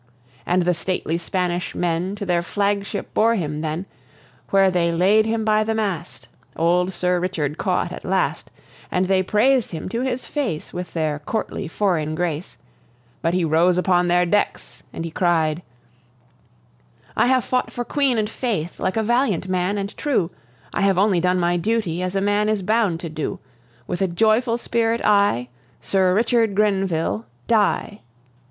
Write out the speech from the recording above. And the stately Spanish men to their flagship bore him then, Where they laid him by the mast, old Sir Richard caught at last, And they praised him to his face with their courtly foreign grace; But he rose upon their decks, and he cried: "I have fought for Queen and Faith like a valiant man and true; I have only done my duty as a man is bound to do. With a joyful spirit I, Sir Richard Grenville, die!"